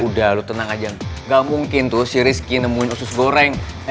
udah lu tenang aja gak mungkin tuh si rizky nemuin usus goreng